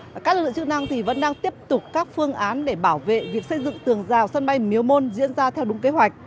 và các lực lượng chức năng thì vẫn đang tiếp tục các phương án để bảo vệ việc xây dựng tường rào sân bay miếu môn diễn ra theo đúng kế hoạch